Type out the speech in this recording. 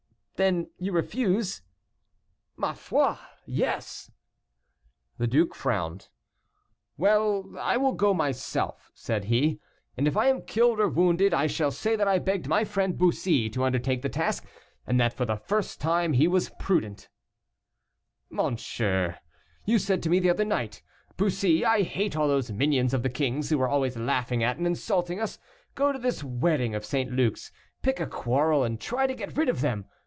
"Then you refuse?" "Ma foi! yes." The duke frowned. "Well, I will go myself," said he, "and if I am killed or wounded, I shall say that I begged my friend Bussy to. undertake the task, and that for the first time he was prudent." "Monseigneur, you said to me the other night, 'Bussy, I hate all those minions of the king's who are always laughing at and insulting us; go to this wedding of St. Luc's, pick a quarrel and try to get rid of them.